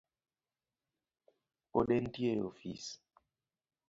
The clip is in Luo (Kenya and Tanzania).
Pod entie e ofis?